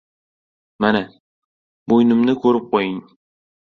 Mana! Bo‘ynimni ko‘rib qo‘ying.